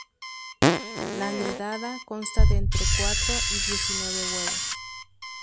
La nidada consta de entre cuatro y diecinueve huevos.